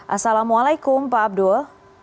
assalamualaikum pak abdul